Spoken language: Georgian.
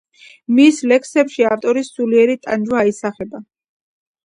მის ლექსებში ავტორის სულიერი ტანჯვა აისახება.